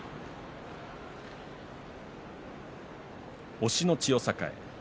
押しの千代栄。